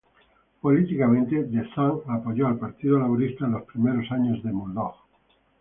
Políticamente, "The Sun" apoyó al Partido Laborista en los primeros años de Murdoch.